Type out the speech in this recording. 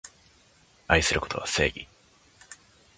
愛することは正義